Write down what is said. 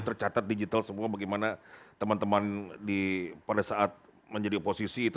tercatat digital semua bagaimana teman teman pada saat menjadi oposisi itu